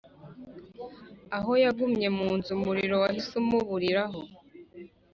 Aho yagumye mu nzu umuriro wahise umuburiraho